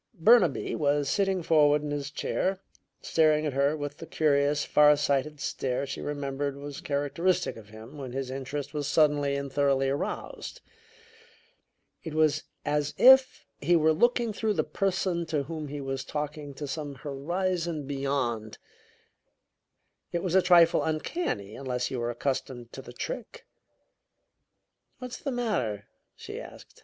Burnaby was sitting forward in his chair, staring at her with the curious, far sighted stare she remembered was characteristic of him when his interest was suddenly and thoroughly aroused. It was as if he were looking through the person to whom he was talking to some horizon beyond. It was a trifle uncanny, unless you were accustomed to the trick. "What's the matter?" she asked.